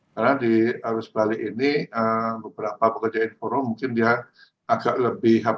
karena di arus balik ini beberapa pekerjaan forum mungkin dia agak lebih